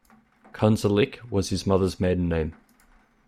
Konsalik was his mother's maiden name.